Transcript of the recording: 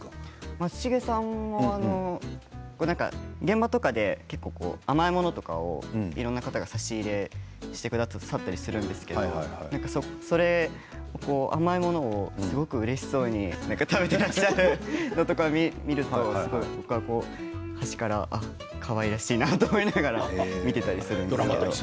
松重さんは結構、現場とかで甘いものとかをいろんな方が差し入れをしてくださったりするんですけど甘いものすごくうれしそうに食べていらっしゃるのを見るとかわいらしいなと思って見ていたりします。